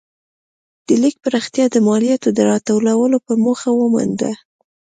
د لیک پراختیا د مالیاتو د راټولولو په موخه ومونده.